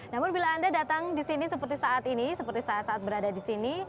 namun bila anda datang di sini seperti saat ini seperti saat saat berada di sini